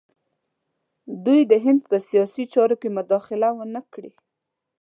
دوی د هند په سیاسي چارو کې مداخله ونه کړي.